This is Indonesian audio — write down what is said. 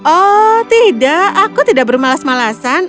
oh tidak aku tidak bermalas malasan